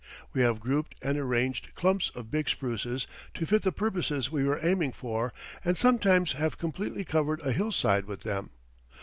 We have grouped and arranged clumps of big spruces to fit the purposes we were aiming for, and sometimes have completely covered a hillside with them.